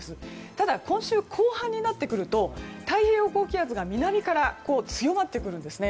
ただ今週後半になってくると太平洋高気圧が南から強まってくるんですね。